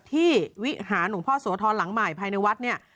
ที่วิหาหนุ่มพ่อโสธรหลังหมายภายในวัดเนี่ย